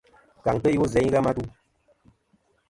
Kàŋtɨ iwo zɨ a i ghɨ a ma tu.